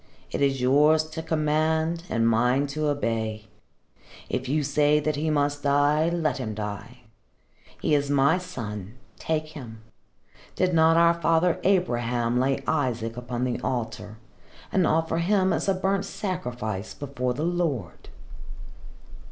It is yours to command and mine to obey. If you say that he must die, let him die. He is my son. Take him. Did not our father Abraham lay Isaac upon the altar and offer him as a burnt sacrifice before the Lord?"